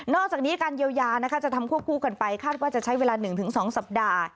อกจากนี้การเยียวยานะคะจะทำควบคู่กันไปคาดว่าจะใช้เวลา๑๒สัปดาห์